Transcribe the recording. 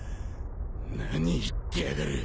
何言ってやがる。